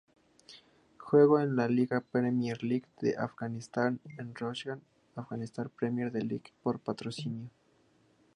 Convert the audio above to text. Juega en la Liga Premier de Afganistán o Roshan Afghan Premier League por patrocinio.